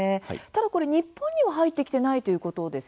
ただ、これ日本には入ってきてないということですね。